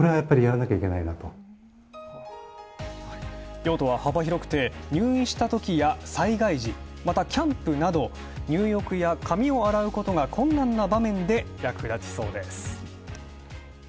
用途は幅広くて入院したときや、災害時、また、キャンプなど入浴や髪を洗うことが困難な場面で役立ちそうです。